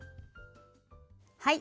はい。